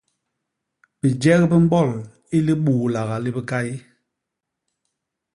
Bijek bi mbôl i libuulaga li bikay.